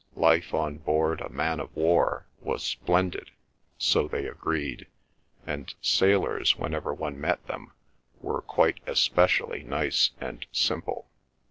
Life on board a man of war was splendid, so they agreed, and sailors, whenever one met them, were quite especially nice and simple.